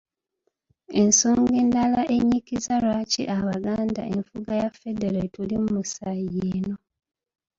Ensonga endala ennyikiza lwaki Abaganda enfuga ya Federo etuli mu musaayi y'eno.